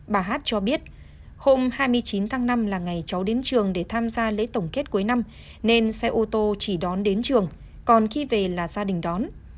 bà hát cho biết hôm hai mươi chín tháng năm là ngày cháu đến trường để tham gia lễ tổng kết cuối năm nên xe ô tô chỉ đón đến trường còn khi về là gia đình đón